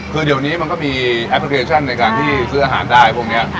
คือเดี๋ยวนี้มันก็มีแอปพลิเคชันในการที่ซื้ออาหารได้พวกนี้